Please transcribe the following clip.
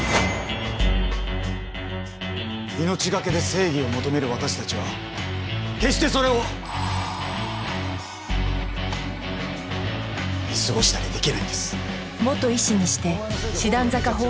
命懸けで正義を求める私たちは決してそれを見過ごしたりできないんです。